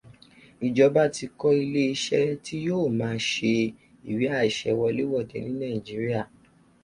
Ìjọba ti kọ́ iléeṣẹ́ tí yóò ma ṣe ìwé àṣẹ wọléwọ̀de ní Nàìjíríà.